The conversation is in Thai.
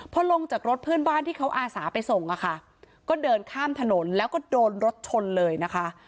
พอลงจากรถเพื่อนบ้านที่เขาอาสาไปส่งอ่ะค่ะก็เดินข้ามถนนแล้วก็โดนรถชนเลยนะคะ